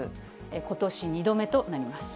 ことし２度目となります。